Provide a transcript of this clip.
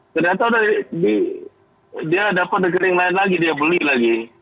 ternyata dia dapat rekening lain lagi dia beli lagi